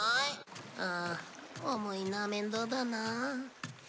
ああ重いな面倒だな。